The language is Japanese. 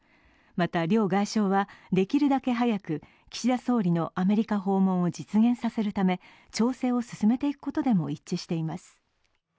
また、両外相はできるだけ早く岸田総理のアメリカ訪問を実現させるため調整を進めていくことでも一致しています。